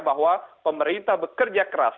bahwa pemerintah bekerja keras